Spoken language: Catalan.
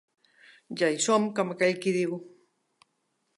Ja hi som, com aquell qui diu.